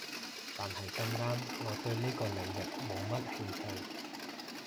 但係咁啱我對呢個領域冇乜興趣